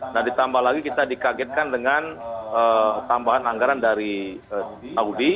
nah ditambah lagi kita dikagetkan dengan tambahan anggaran dari saudi